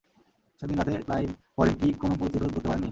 সেদিন রাতে Clyde Morin কী কোন প্রতিরোধ গড়তে পারেন নি?